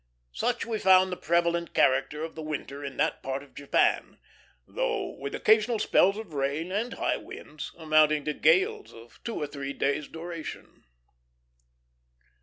Such we found the prevalent character of the winter in that part of Japan, though with occasional spells of rain and high winds, amounting to gales of two or three days' duration.